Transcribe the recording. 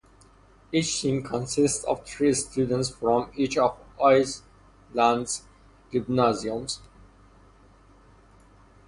Each team consists of three students from each of Iceland's gymnasiums.